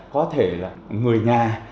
có thể là người nhà